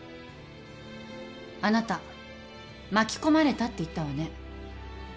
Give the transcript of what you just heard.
あなた「巻き込まれた」って言ったわね。